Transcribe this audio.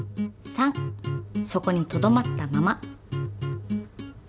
３そこにとどまったまま。